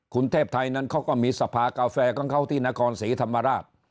คุณเทพไทยนั้นเขาก็มีสภากาแฟของเขาที่นครศรีธรรมราช